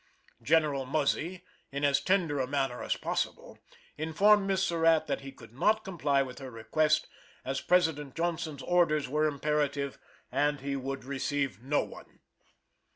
General Muzzy, in as tender a manner as possible, informed Miss Surratt that he could not comply with her request, as President Johnson's orders were imperative, and he would receive no one.